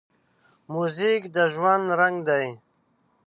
موزیک د ژوند رنګ دی.